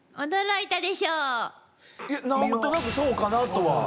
いや何となくそうかなとは。